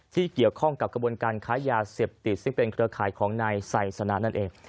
ที่เกี่ยวข้องกับกระบวนการค้ายาเสพติดซึ่งเป็นเครือข่ายของนายไซสนะนั่นเอง